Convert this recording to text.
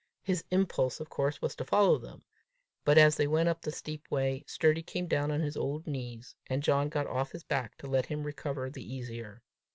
His impulse, of course, was to follow them. But, as they went up the steep way, Sturdy came down on his old knees, and John got off his back to let him recover himself the easier.